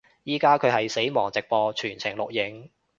依家佢係死亡直播全程錄影